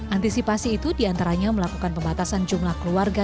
antisipasi itu diantaranya melakukan pembatasan jumlah keluarga